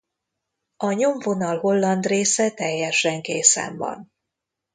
A nyomvonal holland része teljesen készen van.